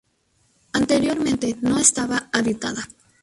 Anteriormente no estaba habitada.